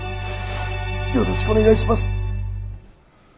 よろしくお願いします。